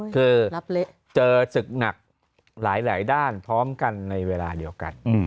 คือเจอศึกหนักหลายด้านพร้อมกันในเวลาเดียวกัน